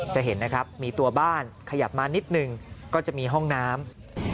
จะเห็นนะครับมีตัวบ้านขยับมานิดนึงก็จะมีห้องน้ำ